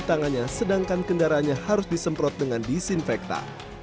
tangannya sedangkan kendaraannya harus disemprot dengan disinfektan